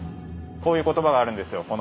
こういう言葉があるんですよ